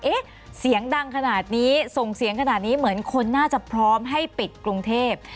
เอ๊ะเสียงดังขนาดนี้ส่งเสียงขนาดนี้เหมือนคนน่าจะพร้อมให้ปิดกรุงเทพ